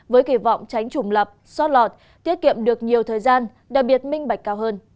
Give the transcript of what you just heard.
với kỳ vọng tránh trùng lập xót lọt tiết kiệm được nhiều thời gian đặc biệt minh bạch cao hơn